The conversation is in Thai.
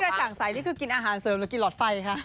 กระจ่างใสนี่คือกินอาหารเสริมหรือกินหลอดไฟคะ